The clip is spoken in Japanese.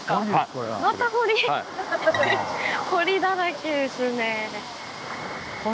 これは。堀だらけですね。